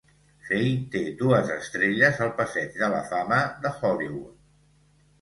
Fay té dues estrelles al Passeig de la fama de Hollywood.